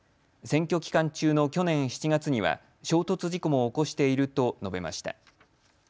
選挙期間中の去年７月には衝突事故も起こしていると述べました。